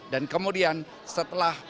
dan kemudian setelah